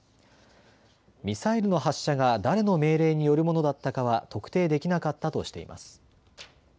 ミサイルの発射が誰の命令によるものだったかは特定できなかったとしています。